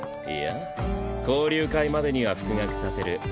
いや交流会までには復学させる。